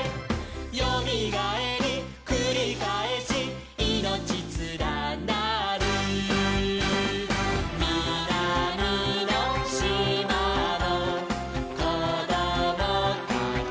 「よみがえりくりかえしいのちつらなる」「みなみのしまのこどもたち」